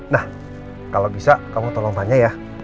nah kalau bisa kamu tolong tanya ya